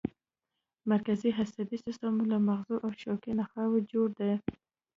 مرکزي عصبي سیستم له مغزو او شوکي نخاع جوړ دی